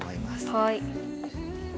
はい。